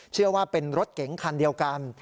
เชื่อว่าเป็นรถเก๋งคันเดียวกัน